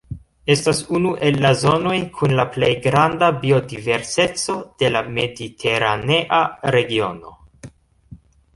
Estas unu el la zonoj kun la plej granda biodiverseco de la mediteranea regiono.